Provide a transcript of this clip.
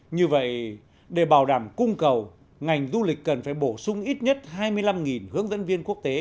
như vậy để bảo đảm cung cầu ngành du lịch cần phải bổ sung ít nhất hai mươi năm hướng dẫn viên quốc tế